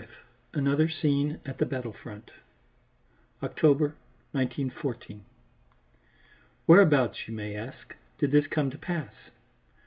V ANOTHER SCENE AT THE BATTLE FRONT October, 1914. Whereabouts, you may ask, did this come to pass?